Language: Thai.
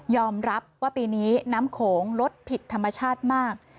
รับว่าปีนี้น้ำโขงลดผิดธรรมชาติมาก